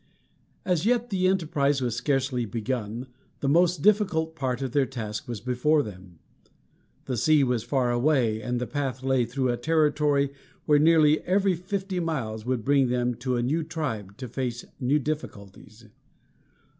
As yet the enterprise was scarcely begun, and the most difficult part of their task was before them. The sea was far away, and the path lay through a territory where nearly every fifty miles would bring them to a new tribe, to face new difficulties.